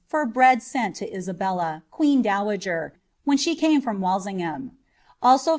for bread sent to Isabella, queen dowager, when she came :.', Walsingham; also 4